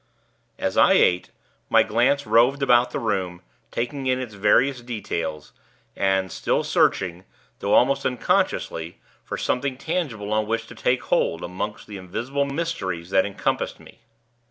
As I ate, my glance roved about the room, taking in its various details, and still searching, though almost unconsciously, for something tangible upon which to take hold, among the invisible mysteries that encompassed me.